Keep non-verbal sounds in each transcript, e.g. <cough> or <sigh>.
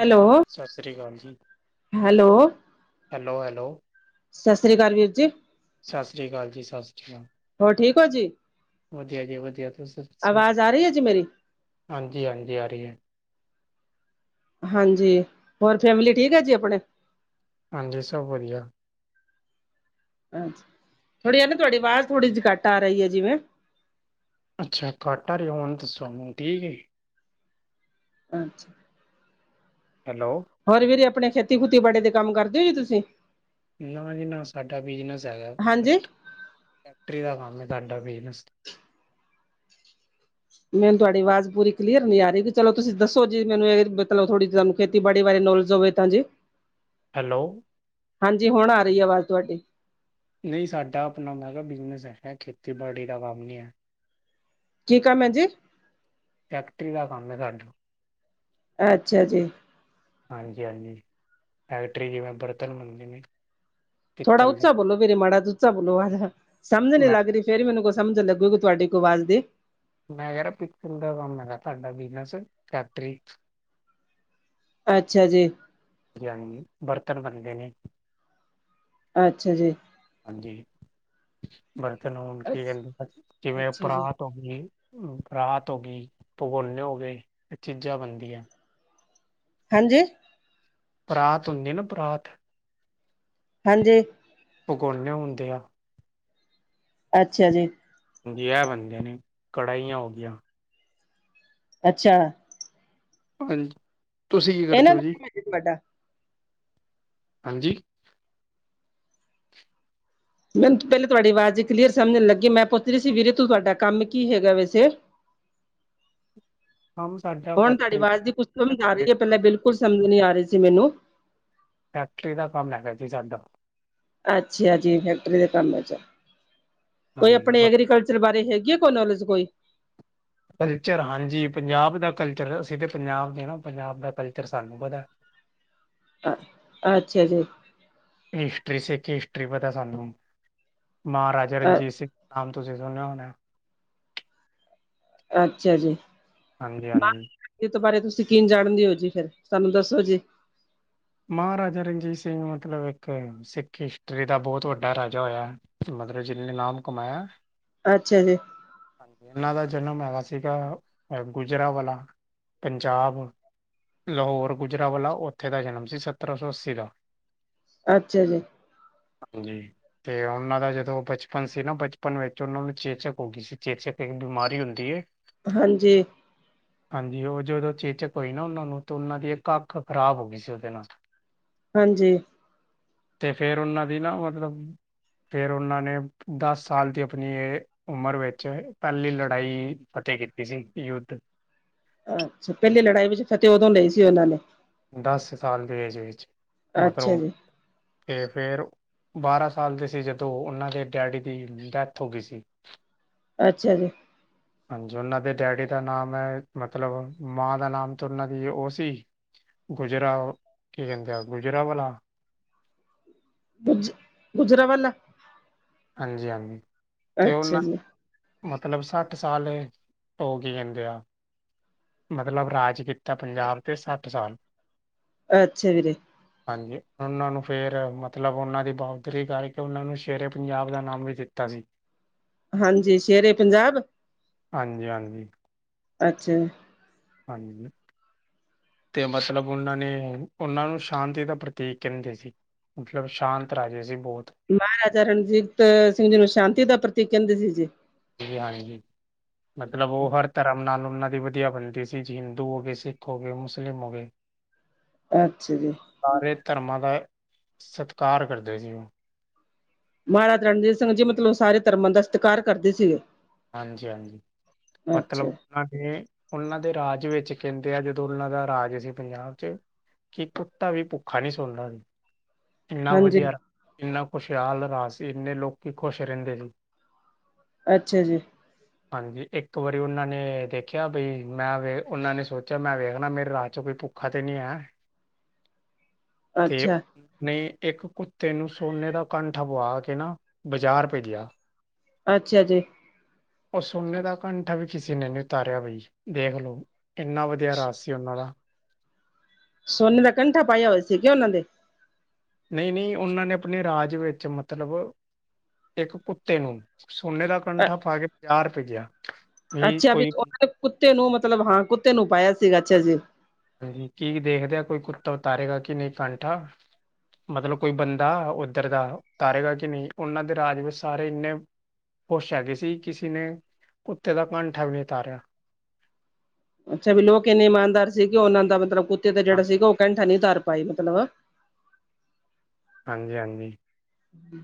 Hello, Sat Sri ਅਕਾਲ ਜੀ। Hello. Hello, hello. Sat Sri ਅਕਾਲ ਵੀਰ ਜੀ। ਸਤਿ ਸ਼੍ਰੀ ਅਕਾਲ ਜੀ, ਸਤਿ ਸ਼੍ਰੀ ਅਕਾਲ ਹੋਰ ਠੀਕ ਹੋ ਜੀ? ਵਧੀਆ ਜੀ, ਵਧੀਆ ਤੁਸੀ ਆਵਾਜ਼ ਆ ਰਹੀ ਹੈ ਜੀ ਮੇਰੀ ਹਾਂਜੀ ਹਾਂਜੀ, ਆ ਰਹੀ ਐ। ਹਾਂਜੀ, ਹੋਰ ਫੈਮਿਲੀ ਠੀਕ ਐ ਜੀ ਆਪਣੇ ਹਾਂਜੀ ਸਭ ਵਧੀਆ। ਅੱਛ ਥੋੜੀ ਆ ਨਾਂ ਤੁਹਾਡੀ ਆਵਾਜ਼ ਥੋੜੀ ਜੀ ਘੱਟ ਆ ਰਹੀ ਹੈ ਜਿਵੇਂ ਅੱਛਾ ਘਾਟਾ ਹੁਣ ਤਾਂ ਹੁਣ ਦੱਸੋ ਹੁਣ ਠੀਕ ਐ। ਅੱਛਾ ਹੈਲੋ ਹੋਰ ਵੀਰੇ ਆਪਣੇ ਖੇਤੀ ਖੁਤੀ ਬਾੜੇ ਦੇ ਕੰਮ ਕਰਦੇ ਹੋ ਜੀ ਤੁਸੀਂ ਨਾਂ ਜੀ ਨਾਂ ਸਾਡਾ ਬਿਜਨਸ ਹੈਗਾ, ਹਾਂਜੀ। ਫੈਕ ਫੈਕਟਰੀ ਦਾ ਕੰਮ ਐ ਸਾਡਾ ਬਿਜਨਸ ਮੈਨੂੰ ਤੁਹਾਡੀ ਆਵਾਜ਼ ਪੂਰੀ ਕਲੀਅਰ ਨੀਂ ਆ ਰਹੀ ਕਿ ਚਲੋ ਤੁਸੀਂ ਦੱਸੋ ਜੀ, ਮੈਨੂੰ ਇਹ ਮਤਲ ਥੋੜੀ ਤੰ ਖੇਤੀਬਾੜੀ ਵਾਰੇ ਨੌਲੇਜ ਹੋਵੇ ਤਾਂ ਜੀ। ਹੈਲੋ ਹਾਂਜੀ ਹੁਣ ਆ ਰਹੀ ਐ ਆਵਾਜ਼ ਤੁਹਾਡੀ ਨਈਂ ਸਾਡਾ ਆਪਣਾ ਮੈਂਕੈ ਬਿਜਨਸ ਹੈਗਾ, ਖੇਤੀਬਾੜੀ ਦਾ ਕੰਮ ਨਈਂ ਹੈ। ਕੀ ਕੰਮ ਐ ਜੀ। ਫੈਕਟਰੀ ਦਾ ਕੰਮ ਐ ਸਾਡਾ। ਅੱਛਾ ਜੀ। ਹਾਂਜੀ ਹਾਂਜੀ, ਫੈਕਟਰੀ ਜਿਵੇਂ ਬਰਤਨ ਮੰਗਦੇ ਨੇਂ। ਥੋੜਾ ਉੱਚਾ ਬੋਲੋ ਵੀਰੇ ਮਾੜਾ ਜਿਆ ਉੱਚਾ ਬੋਲੋ, <unintelligible> ਸਮਝ ਨਈਂ ਮੈਂ ਲੱਗ ਰਹੀ। ਫੇਰ ਮੈਨੂੰ ਕੋਈ ਸਮਝ ਲੱਗੂਗੀ ਤੁਹਾਡੀ ਕੋਈ ਵਾਜ਼ ਦੀ ਮੈਂ ਕਿਹ ਰਿਆ <inaudible> ਬਿਜ਼ਨਸ ਫੇਕਟਰੀ ਚ ਅੱਛਾ ਜੀ। ਬਰਤਨ ਬਣਦੇ ਨੇਂ ਅੱਛਾ ਜੀ। ਹਾਂਜੀ, ਬਰਤਨ ਹੁਣ ਕੀ ਕਹਿੰਦੇ ਜਿਵੇਂ ਅੱਛਾ ਅਪਣਾ। ਜੀ। ਹੋ ਗਈ, ਰਾਤ ਹੋ ਗਈ, ਭਗੋਨੇ ਹੋ ਗਏ, ਇਹ ਚੀਜ਼ਾਂ ਬਣਦੀਆਂ। ਹਾਂਜੀ? ਪਰਾਤ ਹੁੰਦੀ, ਨਾ ਪਰਾਤ ਹਾਂਜੀ ਭਗੋਨੇ, ਹੁੰਦੇ ਆ ਅੱਛਾ ਜੀ, ਹਾਂਜੀ ਜੀ, ਐ ਬਣਦੇ ਨੇ, ਕੜਾਹੀਆਂ ਹੋ ਗਈਆਂ। ਅੱਛਾ, ਹਾਂਜੀ, ਤੁਸੀਂ ਕੀ ਕਰਦੇ ਇਹਨਾਂ ਹੋ ਦਾ ਜੀ ਕੰਮ ਵੱਡਾ ਹਾਂਜੀ, ਮੈਨੂੰ ਪਹਿਲੇ ਤੁਹਾਡੀ ਆਵਾਜ਼, ਕਲੀਅਰ ਸਮਝਣ ਲੱਗੀ ਮੈਂ, ਪੁੱਛ ਰਹੀ ਸੀ, ਵੀਰੇ ਤੂੰ ਤੁਹਾਡਾ ਕੰਮ ਕੀ ਹੈਗਾ ਵੈਸੇ? ਕੰਮ ਸਾਡਾ ਹੁਣ ਤੁਹਾਡੀ, ਫੈਕਟਰੀ ਆਵਾਜ਼ ਦੀ ਕੁਛ ਸਮਝ ਆ ਰਹੀ ਫੈਕਟਰੀ ਹੈ, ਪਹਿਲਾਂ ਬਿਲਕੁਲ ਕੁਝ, ਸਮਝ ਨਹੀਂ ਆ ਰਹੀ ਸੀ, ਮੈਨੂੰ ਫੈਕਟਰੀ ਦਾ, ਕੰਮ ਹੈਗਾ ਜੀ ਸਾਡਾ। ਅੱਛਾ ਜੀ, ਫੈਕਟਰੀ ਦੇ ਕੰਮ ਹੈ, ਕੋਈ ਹਾਂਜੀ ਆਪਣੇ ਬ- ਐਗਰੀਕਲਚ ਰ, ਬਾਰੇ ਹੈਗੀ ਹੈ, ਕੋਈ ਨੌਲੇਜ ਕੋਈ ਕਲਚਰ ਹਾਂਜੀ, ਪੰਜਾਬ ਦਾ ਕਲਚਰ, ਅਸੀਂ ਤਾਂ ਪੰਜਾਬ ਦੇ ਆ ਨਾ, ਪੰਜਾਬ ਦਾ ਕਲਚਰ ਸਾਨੂੰ ਪਤਾ ਅੱਛਾ ਜੀ, ਹਿਸਟਰੀ, ਸਿੱਖ ਹਿਸਟਰੀ, ਪਤਾ ਸਾਨੂੰ ਮਹਾਰਾਜਾ ਅ ਰਣਜੀਤ ਸਿੰਘ ਨਾਮ, ਤੁਸੀਂ ਸੁਣਿਆ ਹੋਣੇ? ਅੱਛਾ ਜੀ, ਹਾਂਜੀ- ਹਾਂਜੀ। ਇਸ ਬਾਰੇ ਤੁਸੀਂ ਕੀ ਜਾਣਦੇ ਹੋ ਜੀ? ਫੇਰ ਸਾਨੂੰ ਦੱਸੋ ਜੀ। ਮਹਾਰਾਜਾ ਰਣਜੀਤ ਸਿੰਘ ਮਤਲਬ, ਇੱਕ ਸਿੱਖ ਹਿਸਟਰੀ ਦਾ ਬਹੁਤ ਵੱਡਾ ਰਾਜਾ ਹੋਇਆ। ਮਤਲਬ, ਜਿੰਨੇ ਨਾਮ ਕਮਾਇਆ। ਅੱਛਾ ਜੀ ਹਾਂਜੀ, ਇਹਨਾਂ ਦਾ ਜਨਮ ਹੈਗਾ, ਸੀਗਾ ਗੁਜਰਾਂਵਾਲਾ ਪੰਜਾਬ, ਲਾਹੌਰ, ਗੁਜਰਾਂਵਾਲਾ ਉੱਥੇ ਦਾ ਜਨਮ। ਸੱਤਰਾਂ ਸੌ ਅੱਸੀ ਦਾ ਅੱਛਾ ਜੀ, ਹਾਂਜੀ ਤੇ ਉਹਨਾਂ ਦਾ ਜਦੋਂ ਬਚਪਨ ਸੀ ਨਾ, ਬਚਪਨ ਵਿੱਚ ਉਹਨਾਂ ਨੂੰ, ਚੇਚਕ ਹੋ ਗਈ ਸੀ, ਚੇਚਕ ਇੱਕ ਬਿਮਾਰੀ ਹੁੰਦੀ ਹੈ। ਹਾਂਜੀ ਹਾਂਜੀ, ਉਹ ਜਦੋਂ ਚੇਚਕ ਹੋਈ ਨਾ, ਉਹਨਾਂ ਨੂੰ, ਤਾਂ ਉਹਨਾਂ ਦੀ ਇੱਕ ਅੱਖ ਖ਼ਰਾਬ ਹੋ ਗਈ ਸੀ, ਉਹਦੇ ਨਾਲ ਹਾਂਜੀ ਤੇ ਫਿਰ ਉਹਨਾਂ ਦੀ ਨਾ, ਮਤਲਬ ਫਿਰ ਉਹਨਾਂ ਨੇ ਦਸ ਸਾਲ ਦੀ ਆਪਣੀ ਇਹ ਉਮਰ ਵਿੱਚ, ਪਹਿਲੀ ਲੜਾਈ ਫਤਿਹ ਕੀਤੀ ਸੀ, ਯੁੱਧ ਅੱਛਾ, ਪਹਿਲੀ ਲੜਾਈ ਵਿੱਚ ਫਤਿਹ ਉਦੋਂ ਲਈ ਸੀ, ਉਹਨਾਂ ਨੇ ਦਸ ਸਾਲ, ਦੀ ਏਜ ਵਿੱਚ ਅੱਛਾ ਮਤਲਬ, ਜੀ ਤੇ ਫੇਰ ਬਾਰਾਂ ਸਾਲ ਦੇ ਸੀ, ਜਦੋਂ ਉਹਨਾਂ ਦੇ ਡੈਡੀ ਦੀ ਡੈਥ ਹੋ ਗਈ ਸੀ। ਅੱਛਾ ਜੀ। ਹਾਂਜੀ ਉਹਨਾਂ ਦੇ ਡੈਡੀ ਦਾ ਨਾਮ ਹੈ, ਮਤਲਬ ਮਾਂ ਦਾ ਨਾਮ ਤੇ ਉਹਨਾਂ ਦੀ ਉਹ ਸੀ। ਗੁਜਰਾ ਕੀ ਕਹਿੰਦੇ ਆ, ਗੁਜਰਾਵਾਲਾ ਗੁੱਜ, ਗੁਜਰਾਂਵਾਲਾ ਹਾਂਜੀ- ਹਾਂਜੀ, ਤੇ ਅੱਛਾ ਉਹਨਾਂ ਜੀ ਮਤਲਬ ਸੱਠ ਸਾਲ, ਭੋਗ ਕੇ ਜਾਂਦੇ ਆ। ਮਤਲਬ, ਰਾਜ ਕੀਤਾ, ਪੰਜਾਬ ਤੇ ਸੱਠ ਸਾਲ ਅੱਛਾ, ਵੀਰੇ ਹਾਂਜੀ ਉਹਨਾਂ ਨੂੰ ਫੇਰ ਮਤਲਬ, ਉਹਨਾਂ ਦੀ ਬਹਾਦਰੀ ਕਰਕੇ ਉਹਨਾਂ ਨੂੰ ਸ਼ੇਰੇ ਪੰਜਾਬ ਦਾ ਨਾਮ ਦਿੱਤਾ ਸੀ। ਹਾਂਜੀ, ਸ਼ੇਰੇ ਪੰਜਾਬ ਹਾਂਜੀ-ਹਾਂਜੀ, ਅੱਛਾ, ਹਾਂਜੀ, ਤੇ ਮਤਲਬ ਉਹਨਾਂ ਨੇ ਉਹਨਾਂ ਨੂੰ ਸ਼ਾਂਤੀ ਦਾ ਪ੍ਰਤੀਕ ਕਹਿੰਦੇ ਸੀ। ਮਤਲਬ ਸ਼ਾਂਤ ਰਾਜੇ ਸੀ ਬਹੁਤ ਮਹਾਰਾਜਾ ਰਣਜੀਤ ਸਿੰਘ ਜੀ ਨੂੰ, ਸ਼ਾਂਤੀ ਦਾ ਪ੍ਰਤੀਕ ਕਹਿੰਦੇ ਸੀ ਜੀ। ਹਾਂਜੀ ਜੀ ਮਤਲਬ ਉਹ ਹਰ ਧਰਮ ਨਾਲ ਉਹਨਾਂ ਦੀ ਵਧੀਆ ਬਣਦੀ ਸੀ, ਜੀ ਹਿੰਦੂ ਹੋ ਗਏ ਸਿੱਖ ਹੋ ਗਏ ਮੁਸਲਿਮ ਹੋ ਗਏ। ਅੱਛਾ ਜੀ, ਸਾਰੇ ਧਰਮਾਂ ਦਾ ਸਤਿਕਾਰ ਕਰਦੇ ਸੀ ਉਹ ਮਹਾਰਾਜ ਰਣਜੀਤ ਸਿੰਘ ਜੀ ਮਤਲਬ ਸਾਰੇ ਧਰਮਾਂ ਦਾ ਸਤਿਕਾਰ ਕਰਦੇ ਸੀਗੇ। ਹਾਂਜੀ-ਹਾਂਜੀ, ਮਤਲਬ ਅੱਛਾ ਉਹ ਨੇ ਉਹਨਾਂ ਦੇ ਰਾਜ ਵਿੱਚ ਕਹਿੰਦੇ ਆ, ਜਦੋਂ ਉਹਨਾਂ ਦਾ ਰਾਜ ਸੀ ਪੰਜਾਬ ਚ ਕਿ ਕੁੱਤਾ ਵੀ ਭੁੱਖਾ ਨੀ ਸੁਣਨਾ ਸੀ। ਇੰਨਾ ਹਾਂਜੀ ਵਧੀਆ ਇੰਨਾ ਖੁਸ਼ਹਾਲ ਰਾਜ ਸੀ, ਇੰਨੇ ਲੋਕੀ ਖੁਸ਼ ਰਹਿੰਦੇ ਸੀ। ਅੱਛਾ ਜੀ, ਹਾਂਜੀ, ਇੱਕ ਵਾਰੀ ਉਹਨਾਂ ਨੇ ਦੇਖਿਆ, ਮੈਂ ਵੇ ਉਹਨਾਂ ਨੇ ਸੋਚਿਆ ਮੈਂ ਵੇਖਣਾ ਮੇਰੇ ਰਾਤ ਚ ਕੋਈ ਭੁ ਕਦੇ ਨੇ ਆ <unintelligible> ਤੇ, ਨੇ ਇੱਕ ਕੁੱਤੇ ਨੂੰ ਸੋਨੇ ਦਾ ਕੰਠਾ ਪਿਆ ਕੇ ਨਾ, ਬਾਜ਼ਾਰ ਭੇਜਿਆ। ਅੱਛਾ ਜੀ, ਉਹ ਸੋਨੇ ਦਾ ਕੰਠਾ ਵੀ ਕਿਸੇ ਨੇ ਨੀ ਉਤਾਰਿਆ ਬਈ ਦੇਖ ਲਓ, ਇੰਨਾ ਵਧੀਆ ਰਾਜ ਸੀ ਉਹਨਾਂ ਦਾ। ਸੋਨੇ ਦਾ ਕੰਠਾ ਪਾਇਆ ਹੋਇਆ ਸੀਗੇ, ਉਹਨਾਂ ਦੇ? ਨਹੀਂ, ਨਹੀਂ ਉਹਨਾਂ ਨੇ ਆਪਣੇ ਰਾਜ ਵਿੱਚ ਮਤਲਬ ਇੱਕ ਕੁੱਤੇ ਨੂੰ ਸੋਨੇ ਦਾ ਕੰਠਾ ਪਾ ਕੇ ਪੰਜਾਹ ਰੁਪਏ ਗਿਆ। ਅੱਛਾ, ਵੀ ਉਹਨਾਂ ਨੇ ਕੁੱਤੇ ਨੂੰ ਮਤਲਬ ਹਾਂ ਕੁੱਤੇ ਨੂੰ ਪਾਇਆ ਸੀਗਾ, ਅੱਛਾ ਜੀ। ਹਾਂਜੀ ਕੀ ਦੇਖਦੇ, ਆ ਕੋਈ ਕੁੱਤਾ ਉਤਾਰੇਗਾ ਕੀ ਨਹੀਂ ਕੰਠਾ। ਮਤਲਬ ਕੋਈ ਬੰਦਾ ਉੱਧਰ ਦਾ ਕਰੇਗਾ, ਕਿ ਨਹੀਂ ਉਹਨਾਂ ਦੇ ਰਾਜ ਵਿੱਚ ਸਾਰੇ ਇੰਨੇ ਪੁੱਛ ਹੈਗੀ ਸੀ, ਕਿਸੇ ਨੇ ਕੁੱਤੇ ਦਾ ਕੰਠਾ ਵੀ ਨਹੀਂ ਉਤਾਰਿਆ। ਅੱਛਾ ਵੀ ਲੋਕ ਇੰਨੇ ਇਮਾਨਦਾਰ ਸੀਗੇ, ਉਹਨਾਂ ਦਾ ਮਤਲਬ ਕੁੱਤੇ ਤੇ ਜਿਹੜਾ ਹਾਂ- ਸੀਗਾ, ਉਹ ਕੰਠਾ ਨੀ ਤਾਰ ਪਾਈ ਮਤਲਬ। ਹਾਂਜੀ, ਹਾਂਜੀ, ਹੂੰ,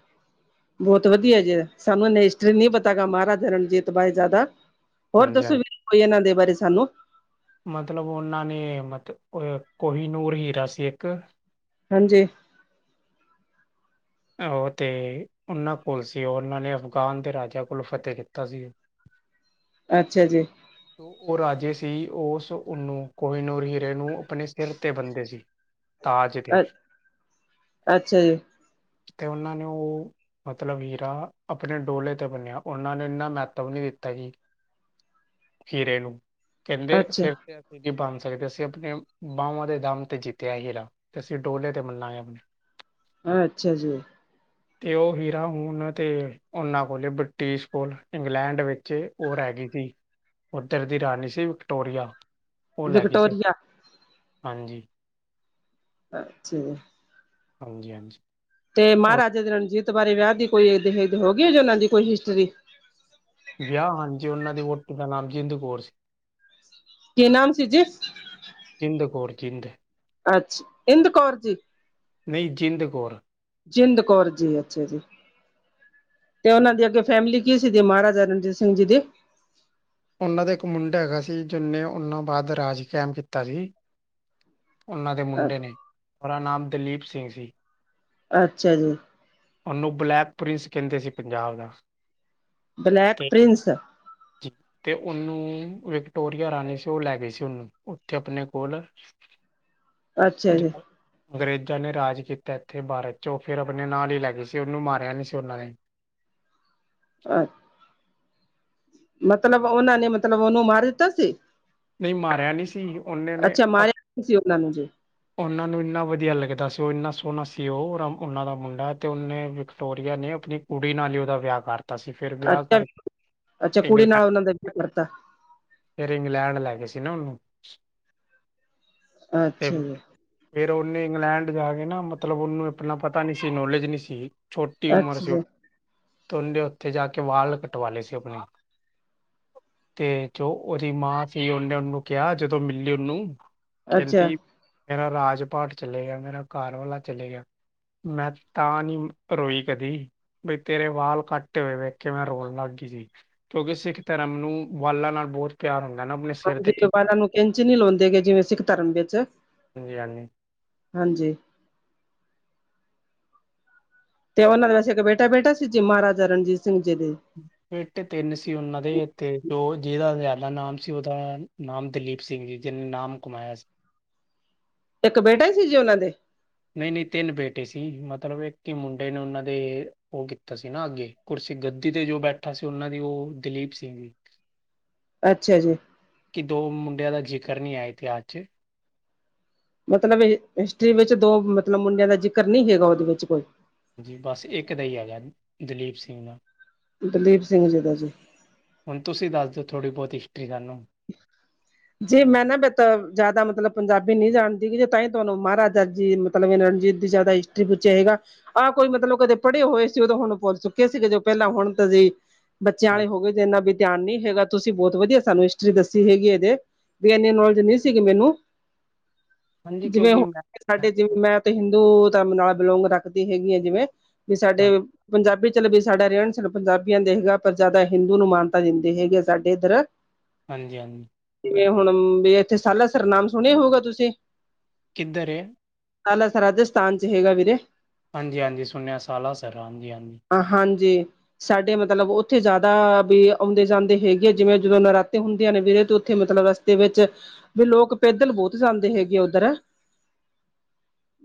ਬਹੁਤ ਵਧੀਆ ਜੇ, ਸਾਨੂੰ ਇਹਨੇ ਹਿਸਟਰੀ ਨੀ ਪਤਾ ਗਾ ਮਹਾਰਾਜਾ ਰਣਜੀਤ ਜਿਆਦਾ। ਹੋਰ ਹਾਂਜੀ ਦੱਸੋ ਹਾਂਜੀ ਵੀ ਕੋਈ ਇਹਨਾਂ ਦੇ ਬਾਰੇ ਸਾਨੂੰ? ਮਤਲਬ ਉਹਨਾਂ ਨੇ ਅ ਕੋਹੀ ਨੂਰ ਹੀਰਾ ਸੀ, ਇੱਕ ਹਾਂਜੀ, ਉਹ ਤੇ ਉਹਨਾਂ ਕੋਲ ਸੀ, ਉਹਨਾਂ ਨੇ ਅਫਗਾਨ ਦੇ ਰਾਜਿਆਂ ਕੋਲ ਫਤਿਹ ਦਿੱਤਾ ਸੀ। ਅੱਛਾ ਜੀ, ਉਹ ਰਾਜੇ ਸੀ, ਉਸ ਉਨੂੰ ਕੋਹੀਨਰ ਹੀਰੇ ਨੂੰ ਆਪਣੇ ਸਿਰ ਤੇ ਬੰਦੇ ਸੀ। <unintelligible> ਤਾਜ ਦੇ, ਅ ਅੱਛਾ ਜੀ ਤੇ ਉਹਨਾਂ ਨੇ ਉਹ ਮਤਲਬ ਹੀਰਾ, ਆਪਣੇ ਡੋਲੇ ਤੇ ਬੰਨਿਆ ਉਹਨਾਂ ਨੇ ਇੰਨਾ ਮਹੱਤਵ ਨਹੀਂ ਦਿੱਤਾ ਜੀ। ਹੀਰੇ ਨੂੰ ਕਹਿੰਦੇ ਅੱਛਾ ਸਿਰ ਕੀ ਬਣ ਸਕਦੇ, ਅਸੀਂ ਆਪਣੇ ਬਾਹਵਾਂ ਦੇ ਦਮ ਤੇ ਜਿੱਤਿਆ ਹੀਰਾ। ਤੇ ਅਸੀਂ ਡੋਲੇ ਤੇ ਮਿਲਾਏ ਆਪਣੇ ਅੱਛਾ ਜੀ। ਤੇ ਉਹ ਹੀਰਾ ਹੁਣ ਤੇ ਉਹਨਾਂ ਕੋਲ ਬ੍ਰਿਟਿਸ਼ ਕੋਲ ਇੰਗਲੈਂਡ ਵਿੱਚ ਉਹ ਰਹਿ ਗਈ ਸੀ। ਉੱਧਰ ਦੀ ਰਾਣੀ ਸੀ, ਵਿਕਟੋਰੀਆ ਉਹ ਲੈ ਗਈ ਸੀ ਵਿਕਟੋਰੀਆ ਹਾਂਜੀ। ਅੱਛਾ। ਹਾਂਜੀ, ਹਾਂਜੀ, ਤੇ ਔਰ ਮਹਾਰਾਜਾ ਦੇ ਰਣਜੀਤ ਬਾਰੇ ਵਿਆਹ ਦੀ ਕੋਈ ਹੋ ਗਈ, ਜੇ ਉਹਨਾਂ ਦੀ ਕੋਈ ਹਿਸਟਰੀ ਵਿਆਹ ਹਾਂਜੀ, ਉਹਨਾਂ ਦੀ ਵੱਟ ਦਾ ਨਾਮ ਜਿੰਦ ਕੌਰ ਸੀ। ਕੀ ਨਾਮ ਸੀ ਜਿਸ ਜਿੰਦ ਕੌਰ ਜਿਦ ਅੱਛਾ ਇੰਦ ਕੌਰ ਜੀ। ਨਹੀਂ ਜਿੰਦ ਕੌਰ। ਜਿੰਦ ਕੌਰ ਜੀ, ਅੱਛਾ ਜੀ। ਤੇ ਉਹਨਾਂ ਦੀ ਅੱਗੇ ਫੈਮਿਲੀ ਕੀ ਸੀ, ਦੀ ਮਹਾਰਾਜਾ ਰਣਜੀਤ ਸਿੰਘ ਜੀ ਦੀ। ਉਹਨਾਂ ਦਾ ਇੱਕ ਮੁੰਡਾ ਹੈਗਾ ਸੀ, ਜਿਹਨੇ ਉਹਨਾਂ ਬਾਅਦ ਰਾਜ ਕਾਇਮ ਕੀਤਾ ਸੀ। ਉਹਨਾਂ ਦੇ ਮੁੰਡੇ ਨੇ ਉਹ ਰਾ ਨਾਮ ਦਲੀਪ ਸਿੰਘ ਸੀ। ਅੱਛਾ ਜੀ। ਉਹਨੂੰ ਬਲੈਕ ਪ੍ਰਿੰਸ ਕਹਿੰਦੇ ਸੀ ਪੰਜਾਬ ਦਾ। ਬਲੈਕ ਤੇ ਪ੍ਰਿੰਸ। ਜੀ। ਤੇ ਉਹਨੂੰ ਵਿਕਟੋਰੀਆ ਰਾਣੀ ਸੀ, ਉਹ ਲੈ ਗਏ ਸੀ ਉਹਨੂੰ ਉੱਥੇ ਆਪਣੇ ਕੋਲ <inaudible> ਅੱਛਾ ਜੀ ਅੰਗਰੇਜ਼ਾਂ ਨੇ ਰਾਜ ਕੀਤਾ ਇੱਥੇ ਭਾਰਤ ਚ ਉਹ ਫਿਰ ਆਪਣੇ ਨਾਲ ਹੀ ਲੈ ਗਈ। ਉਹਨੂੰ ਮਾਰਿਆ ਨੀ ਸੀ, ਉਹਨਾਂ ਨੇ <inaudible> ਮਤਲਬ ਓਨਾਂ ਨੇ ਮਤਲਬ ਓਨੂੰ ਮਾਰ ਦਿੱਤਾ ਸੀ। ਨਹੀ ਮਾਰਿਆ ਨੀ ਸੀ ਓਨੇ ਨੇ ਅੱਛਾ ਆਪਣੇ ਮਾਰਿਆ ਸੀ ਉਹਨਾਂ ਨੂੰ ਜੀ ਓਨਾਂ ਨੂੰ ਇੰਨਾ ਵਧੀਆ ਲੱਗਦਾ ਸੀ ਓ ਇੰਨਾ ਸੋਣਾ ਸੀ ਓ ਓਰ ਓਨਾਂ ਦਾ ਮੁੰਡਾ ਤੇ ਉਹਨੇ ਵਿਕਟੋਰੀਆ ਨੇ ਆਪਣੀ ਕੁੜੀ ਨਾਲ ਈ ਓਦਾ ਵਿਆਹ ਕਰਤਾ ਸੀ। ਫਿਰ ਵਿਆਹ ਅੱਛਾ ਅੱਛਾ ਕਰਕੇ ਕੁੜੀ ਨਾਲ ਇੰਗਲੈਂਡ ਉਹਨਾਂ ਦਾ ਵਿਆਹ ਕਰਤਾ ਫਿਰ ਇੰਗਲੈਂਡ ਲੈਗੇ ਸੀ ਉਹ ਨੂੰ। ਅੱਛਾ ਜੀ। ਫੇਰ ਓਨੇ ਇੰਗਲੈਂਡ ਜਾ ਕੇ ਨਾ ਮਤਲਬ ਓਨੂੰ ਆਪਣਾ ਪਤਾ ਨੀ ਸੀ ਨੌਲੇਜ ਨੀ ਸੀ। ਛੋਟੀ ਉਮਰ ਅੱਛਾ ਸੀ ਜੀ ਤੇ ਓਨੇ ਉੱਥੇ ਜਾ ਕੇ ਵਾਲ ਕਟਵਾ ਲਏ ਸੀ ਆਪਣੇ। ਤੇ ਜੋ ਓਦੀ ਮਾਂ ਕੀ ਓਨੇ ਓਨੂੰ ਕਿਆ ਜਦੋਂ ਮਿਲੀ ਓਨੂੰ ਅੱਛਾ ਕੈਂਦੀ ਮੇਰਾ ਰਾਜ ਪਾਟ ਚਲਾ ਗਿਆ ਮੇਰਾ ਘਰਵਾਲਾ ਚਲਾ ਗਿਆ। ਮੈਂ ਤਾਂ ਨੀ ਰੋਈ ਕਦੀ। ਬਈ ਤੇਰੇ ਵਾਲ ਕਾਟੇ ਹੋਏ ਵੇਖ ਕੇ ਮੈਂ ਰੋਨ ਲਾਗੀ ਸੀ। ਕਿਉਂਕਿ ਸਿੱਖ ਧਰਮ ਨੂੰ ਵਾਲਾਂ ਨਾਲ ਬੋਤ ਪਿਆਰ ਹੁੰਦਾ ਨਾ ਆਪਣੇ ਸਿਰ ਤੇ ਹਾਂਜੀ ਕਿਰਪਾ ਵਾਲ਼ਾ ਨੂੰ ਕੈਂਚੀ ਨੀ ਲੋਂਦੇ ਗੇ ਜਿਵੇਂ ਸਿੱਖ ਧਰਮ ਵਿੱਚ। ਹਾਂਜੀ ਹਾਂਜੀ ਹਾਂਜੀ। ਤੇ ਓਨਾਂ ਦਾ ਵੈਸੇ ਇੱਕ ਬੇਟਾ-ਬੇਟਾ ਸੀ ਜੀ ਮਹਾਰਾਜਾ ਰਣਜੀਤ ਸਿੰਘ ਜੀ ਦੀ। ਬੇਟੇ ਤਿੰਨ ਸੀ ਓਨਾਂ ਦੇ ਤੇ ਦੋ ਜੇਦਾ ਜਾਦਾ ਨਾਮ ਸੀ ਓਦਾ ਨਾਮ ਦਲੀਪ ਸਿੰਘ ਜੀ ਜਿਨੇ ਨਾਮ ਕਮਾਇਆ ਸੀ। ਇੱਕ ਬੇਟਾ ਈ ਸੀ ਜੇ ਓਨਾਂ ਦੇ। ਨਈ-ਨਈ ਤਿੰਨ ਬੇਟੇ ਸੀ ਮਤਲਬ ਇੱਕ ਈ ਮੁੰਡੇ ਨੇ ਓਨਾਂ ਦੇ ਓ ਕੀਤਾ ਸੀ ਨਾ ਅੱਗੇ। ਕੁਰਸੀ ਗੱਦੀ ਤੇ ਜੋ ਬੈਠਾ ਸੀ ਓਨਾਂ ਦੀ ਓ ਦਲੀਪ ਸਿੰਘ। ਅੱਛਾ ਜੀ। ਕੀ ਦੋ ਮੁੰਡਿਆਂ ਦਾ ਜ਼ਿਕਰ ਨੀ ਆ ਇਤਿਹਾਸ ਚ ਮਤਲਬ ਹਿਸਟਰੀ ਵਿੱਚ ਦੋ ਮਤਲਬ ਮੁੰਡਿਆਂ ਦਾ ਜ਼ਿਕਰ ਨੀ ਹੈਗਾ ਓਦੇ ਵਿੱਚ ਕੋਈ। ਜੀ ਬਸ ਇੱਕ ਦਾ ਈ ਹੈਗਾ ਦਲੀਪ ਸਿੰਘ ਦਾ। ਦਲੀਪ ਸਿੰਘ ਜੀ ਦਾ ਜੀ। ਹੁਣ ਤੁਸੀਂ ਦੱਸ ਦਿਓ ਥੋੜ੍ਹੀ ਬੋਤ ਹਿਸਟਰੀ ਸਾਨੂੰ। <unintelligible> ਜੀ ਮੈਂ ਨਾ ਵੀ ਤਾਂ ਜਾਦਾ ਮਤਲਬ ਪੰਜਾਬੀ ਨੀ ਜਾਣਦੀ ਜੇ ਤਾਂ ਹੀ ਤੁਹਾਨੂੰ ਮਹਾਰਾਜਾ ਜੀ <unintelligible> ਰਣਜੀਤ ਦੀ ਜ਼ਿਆਦਾ ਹਿਸਟਰੀ ਪੁੱਛਿਆ ਹੋਏਗਾ। ਆ ਕੋਈ ਮਤਲਬ ਕਦੇ ਪੜ੍ਹੇ ਹੋਏ ਸੀ ਓਦੋਂ ਹੁਣ ਭੁੱਲ ਚੁੱਕੇ ਸੀਗੇ ਜੋ ਪਹਿਲਾਂ ਹੁਣ ਤਾਂ ਸੀ ਬੱਚਿਆਂ ਹਾਂ ਆਲੇ ਹੋਗੇ ਜੇ ਐਨਾ ਵੀ ਧਿਆਨ ਨੀ ਹੈਗਾ ਤੁਸੀਂ ਬੋ ਵਧੀਆ ਸਾਨੂੰ ਹਿਸ ਟਰੀ ਦੱਸੀ ਹੈਗੀ ਏਦੇ ਵੀ ਐਨੀ ਨੌਲੇਜ ਨੀ ਸੀਗੀ ਮੈਨੂੰ। ਹਾਂਜੀ ਜਿਵੇਂ ਕਿਉਂਕਿ ਮੈਂ <unintelligible> ਸਾਡੇ ਜਿਵੇਂ ਮੈਂ ਤੇ ਹਿੰਦੂ ਧਰਮ ਨਾਲ ਬਿਲੋਂਗ ਰੱਖਦੀ ਹੈਗੀ ਆ ਜਿਵੇਂ ਵੀ ਸਾਡੇ ਹਾਂ ਪੰਜਾਬੀ ਚੱਲ ਵੀ ਸਾਡਾ ਰਹਿਣ ਸਹਿਣ ਪੰਜਾਬੀਆਂ ਦੇ ਹੈਗਾ ਪਰ ਜਾਦਾ ਹਿੰਦੂ ਨੂੰ ਮਾਨਤਾ ਦਿੰਦੇ ਹੈਗੇ ਸਾਡੇ ਇੱਧਰ। ਹਾਂਜੀ-ਹਾਂਜੀ, ਜਿਵੇਂ ਹੁਣ ਵੀ ਇੱਥੇ ਸਾਲਾਸਰ ਨਾਮ ਸੁਣਿਆ ਹੋਊਗਾ ਤੁਸੀਂ? ਕਿੱਧਰ ਐ? ਸਾਲਾਸਰ ਰਾਜਸਥਾਨ ਚ ਹੈਗਾ ਵੀਰੇ। ਹਾਂਜੀ-ਹਾਂਜੀ ਸੁਣਿਆ ਸਾਲਾਸਰ ਹਾਂਜੀ-ਹਾਂਜੀ। ਹਾਂਜੀ, ਸਾਡੇ ਮਤਲਬ ਓਥੇ ਜਿਆਦਾ ਵੀ ਆਉਂਦੇ-ਜਾਂਦੇ ਹੈਗੇ ਆ ਜਿਵੇਂ ਜਦੋਂ ਨਰਾ ਤੇ ਹੁੰਦਿਆਂ ਨੇ ਵੀਰੇ ਤੇ ਉੱਥੇ ਮਤਲਬ ਰਸਤੇ ਵਿੱਚ ਵੀ ਲੋਕ ਪੈਦਲ ਬੋਤ ਜਾਂਦੇ ਹੈਗੇ ਆ ਉੱਧਰ।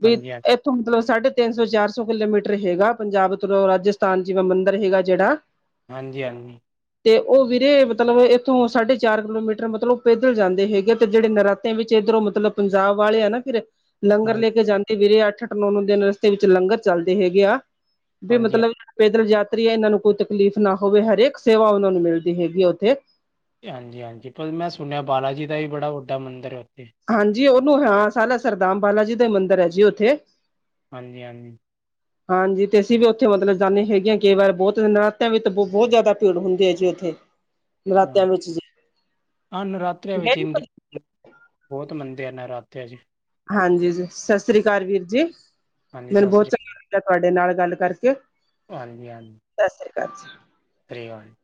ਵੀ ਹਾਂਜੀ ਐ ਥੋ ਮਤਲਬ ਸਾਢੇ ਤਿੰਨ ਸੌ ਚਾਰ ਸੌ ਕਿਲੋਮੀਟਰ ਹੈਗਾ ਪੰਜਾਬ ਤੋਂ ਰਾਜਸਥਾਨ ਜਿਵੇਂ ਮੰਦਿਰ ਹੈਗਾ ਜਿਹੜਾ। ਹਾਂਜੀ-ਹਾਂਜੀ, ਤੇ ਓ ਵੀਰੇ ਮਤਲਬ ਏ ਤੋਂ ਸਾਢੇ ਚਾਰ ਕਿਲੋਮੀਟਰ ਮਤਲਬ ਪੈਦਲ ਜਾਂਦੇ ਹੈਗੇ ਤੇ ਜਿਹੜੇ ਨਰਾਤ ਵਿੱਚ ਇੱਧਰੋਂ ਮਤਲਬ ਪੰਜਾਬ ਵਾਲੇ ਆ ਨਾ। <unintelligible> ਲੰਗਰ ਹਾਂਜੀ ਲੈ ਕੇ ਜਾਂਦੇ ਵੀਰੇ ਅੱਠ ਅੱਠ ਨੌ ਨੌ ਦਿਨ ਰਸਤੇ ਵਿੱਚ ਲੰਗਰ ਚੱਲਦੇ ਹੈਗੇ ਆ ਵੀ ਹਾਂਜੀ ਮਤਲਬ ਪੈਦਲ ਯਾਤਰੀ ਐ ਇਹਨਾਂ ਨੂੰ ਕੋਈ ਤਕਲੀਫ਼ ਨਾ ਹੋਵੇ ਹਰੇਕ ਸੇਵਾ ਉਹਨਾਂ ਨੂੰ ਮਿਲਦੀ ਹੈਗੀ ਹੈ ਉੱਥੇ ਹਾਂਜੀ ਹਾਂਜੀ, ਪਰ ਮੈਂ ਸੁਣਿਆ ਬਾਲਾ ਜੀ ਦਾ ਵੀ ਬੜਾ ਵੱਡਾ ਮੰਦਿਰ ਆ ਉੱਥੇ ਹਾਂਜੀ, ਉਹਨੂੰ ਹਾਂ ਸਾਰਾ ਸਰਦਮ ਬਾਲਾ ਜੀ ਦਾ ਮੰਦਿਰ ਹੈ ਜੀ ਉੱਥੇ ਹਾਂਜੀ ਹਾਂਜੀ, <unintelligible> ਹਾਂਜੀ, ਤੇ ਅਸੀਂ ਵੀ ਉੱਥੇ ਮਤਲਬ ਜਾਂਦੇ ਹੈਗੇ ਆ ਕਈ ਵਾਰ ਬਹੁਤ ਨਰਾਤਿਆਂ ਵਿੱਚ ਬਹੁਤ ਜ਼ਿਆਦਾ ਭੀੜ ਹੁੰਦੀ ਐ ਜੀ ਉੱਥੇ <unintelligible> ਵਿੱਚ ਜੀ ਹਾਂ, ਨਰਾਤਿਆਂ ਵਿੱਚ ਹਿੰਦੂ ਬਹੁਤ ਮੰਨਦੇ ਆ ਨਰਾਤਿਆਂ ਚ ਹਾਂਜੀ ਜੀ, ਸਤਿ ਸ੍ਰੀ ਅਕਾਲ ਵੀਰ ਜੀ। ਹਾਂਜੀ ਮੈਨੂੰ ਸਤਿ ਬਹੁਤ ਸ੍ਰੀ ਚੰਗਾ ਲੱਗਗਾ ਤੁਹਾਡੇ ਨਾਲ ਗੱਲ ਕਰਕੇ ਹਾਂਜੀ ਹਾਂਜੀ ਸਤਿ ਸ੍ਰੀ ਅਕਾਲ ਜੀ।। <unintelligible>